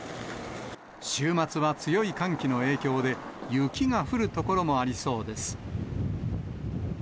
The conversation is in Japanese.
週末は強い寒気の影響で、雪が降る所もありそうです。